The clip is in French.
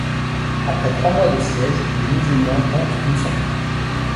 Après trois mois de siège les musulmans tentent une sortie.